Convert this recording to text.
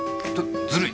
ずるい！